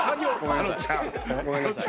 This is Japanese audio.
ごめんなさい。